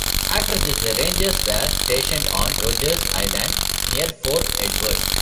After this, the Rangers were stationed on Rogers Island near Fort Edward.